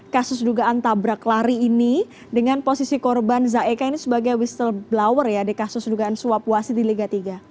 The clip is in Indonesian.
kasus dugaan tabrak lari ini dengan posisi korban zaeka ini sebagai whistleblower ya di kasus dugaan suap wasit di liga tiga